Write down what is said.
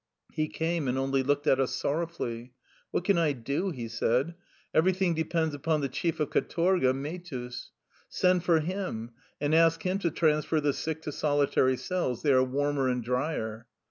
He came, and only looked at us sorrowfully. " What can I do? '' he said. " Everything de pends upon the chief of katorga, Mehtus. Send for him, and ask him to transfer the sick to solitary cells: they are warmer and drier."